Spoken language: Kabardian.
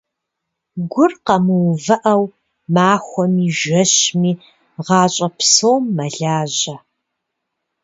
Гур къэмыувыӀэу, махуэми, жэщми, гъащӀэ псом мэлажьэ.